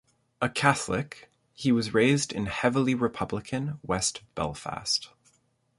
A Catholic, he was raised in heavily republican West Belfast.